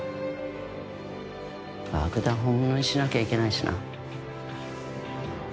爆弾を本物にしなきゃいけないしな。